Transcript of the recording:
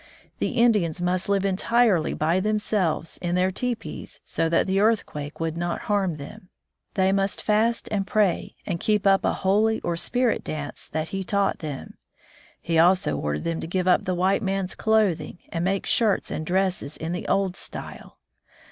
The Indians must live entirely by themselves in their teepees so that the earthquake would not harm them. They must fast and pray and keep up a holy or spirit dance that He taught them. He also ordered them to give up the white man's clothing and make shirts and dresses in the old style.